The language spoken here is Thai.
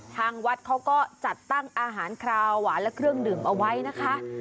ทางวัดเขาก็จัดตั้งอาหารคราวหวานและเครื่องดื่มเอาไว้นะคะ